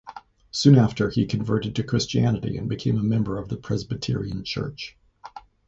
Soon after, he converted to Christianity and became a member of the Presbyterian Church.